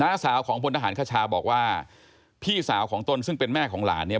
สาวของพลทหารคชาบอกว่าพี่สาวของตนซึ่งเป็นแม่ของหลานเนี่ย